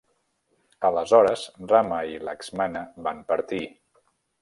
Aleshores Rama i Laksmana van partir.